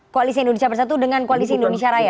koalisi indonesia bersatu dengan koalisi indonesia raya